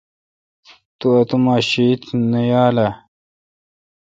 تو اوتو شیت نہ یال اؘ۔